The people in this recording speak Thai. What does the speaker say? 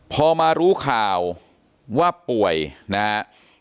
พอมารู้ข่าวว่าป่วยนะครับ